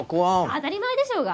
当たり前でしょうが！